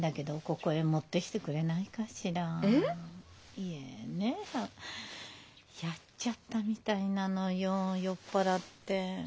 いえねやっちゃったみたいなのよ酔っ払って。